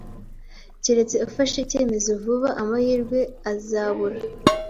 Keretse ufashe icyemezo vuba, amahirwe azabura.